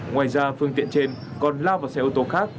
ngoài ra phương tiện trên còn lao vào xe ô tô khác